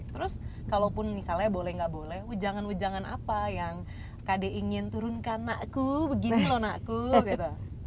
terus kalaupun misalnya boleh nggak boleh ujangan ujangan apa yang kd ingin turunkan nakku begini loh nakku gitu